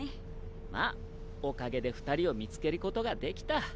まあおかげで２人を見つけることができた。